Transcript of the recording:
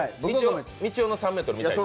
みちおの３ｍを見たい。